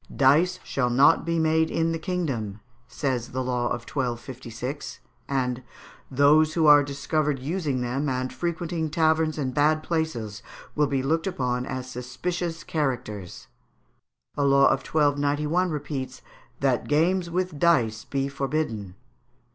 "Dice shall not be made in the kingdom," says the law of 1256; and "those who are discovered using them, and frequenting taverns and bad places, will be looked upon as suspicions characters." A law of 1291 repeats, "That games with dice be forbidden."